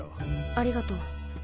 ありがとう。